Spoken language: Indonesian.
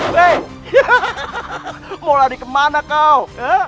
mau lari kemana kau